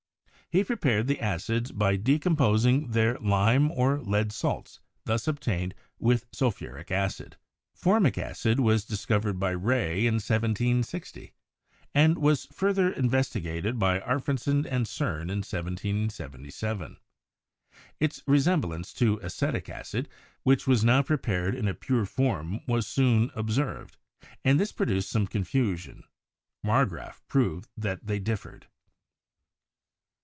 He prepared the acids by decomposing their lime or lead salts thus obtained with sulphuric acid. Formic acid was discovered by Wray in 1760, and was further investigated by Arfvidson and Cehrn in 1777. Its resemblance to acetic acid, which was now prepared in a pure form, was soon observed, and this produced some confusion. Marggraf proved that they differed.